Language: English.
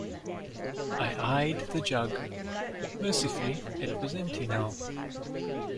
I eyed the jug. Mercifully, it was empty now.